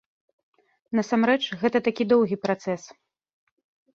Насамрэч, гэта такі доўгі працэс.